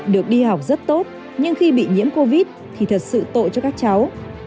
được đi học rất tốt nhưng khi bị nhiễm covid thì thật sự tội cho các cháu